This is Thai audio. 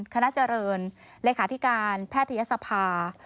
คณะเจริญเลขาธิการแพทยศภา